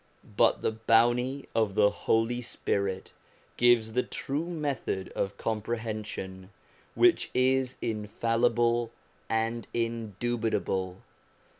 But the bounty of the Holy Spirit gives the true method of comprehension which is infallible and in dubitable.